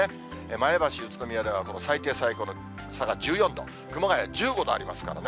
前橋、宇都宮のこの最低、最高の差が１４度、熊谷１５度ありますからね。